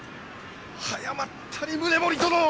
早まったり宗盛殿！